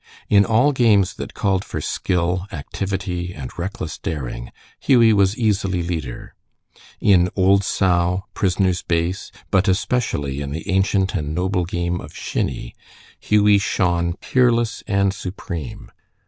In all games that called for skill, activity, and reckless daring, Hughie was easily leader. In "Old Sow," "Prisoner's Base," but especially in the ancient and noble game of "Shinny," Hughie shone peerless and supreme.